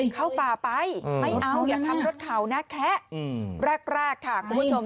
เข้าป่าไปไม่เอาอย่าทำรถเขานะแคละแรกค่ะคุณผู้ชม